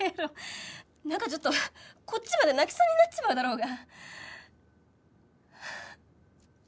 なんかちょっとこっちまで泣きそうになっちまうだろうが。